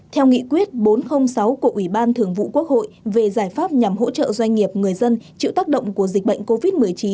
theo nghị quyết bốn trăm linh sáu của ủy ban thường vụ quốc hội về giải pháp nhằm hỗ trợ doanh nghiệp người dân chịu tác động của dịch bệnh covid một mươi chín